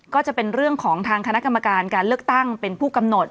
ก็จะเป็นเรื่องของทางคณะกรรมการการเลือกตั้งเป็นผู้กำหนด